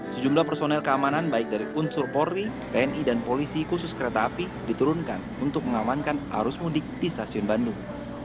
sejumlah personel keamanan baik dari unsur polri tni dan polisi khusus kereta api diturunkan untuk mengamankan arus mudik di stasiun bandung